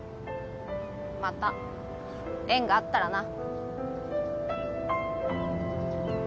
また縁があったらな。